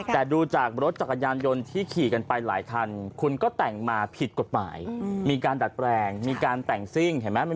แต่ดูจากรถจักรยานยนต์ที่ขี่ไปหลายครั้นมีการแต่งพิษกฎหมาย